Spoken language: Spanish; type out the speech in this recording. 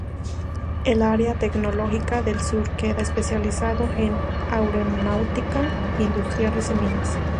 El área tecnológica del sur queda especializado en aeronáutica, industriales y minas.